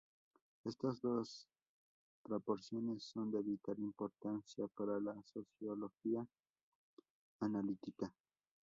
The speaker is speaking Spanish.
Estas dos proposiciones son de vital importancia para la sociología analítica.